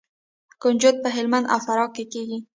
کنجد په هلمند او فراه کې کیږي.